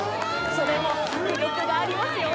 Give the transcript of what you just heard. それも迫力がありますよ。